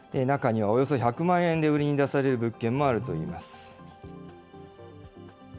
中には、およそ１００万円で売りに出される物件もあるといいます。